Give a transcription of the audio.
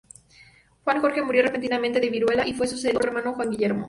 Juan Jorge murió repentinamente de viruela, y fue sucedido por su hermano, Juan Guillermo.